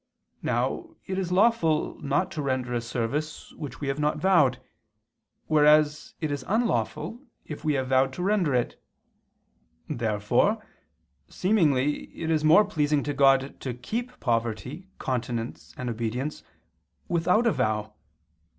Now it is lawful not to render a service which we have not vowed, whereas it is unlawful if we have vowed to render it. Therefore seemingly it is more pleasing to God to keep poverty, continence, and obedience without a vow.